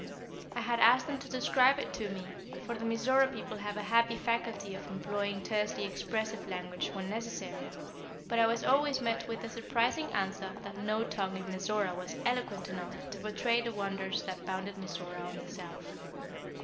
I had asked them to describe it to me, for the Mizora people have a happy faculty of employing tersely expressive language when necessary; but I was always met with the surprising answer that no tongue in Mizora was eloquent enough to portray the wonders that bounded Mizora on the south.